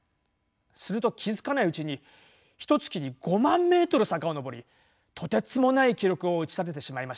すると気付かないうちにひとつきに５万メートル坂を上りとてつもない記録を打ち立ててしまいました。